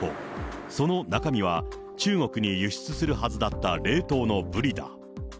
その中身は、中国に輸出するはずだった冷凍のブリだ。